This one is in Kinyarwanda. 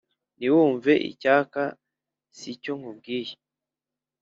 ntiwumve icyaka si cyo nkubwiye.